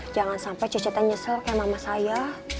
jangan sampai cici teh nyesel kayak mama saya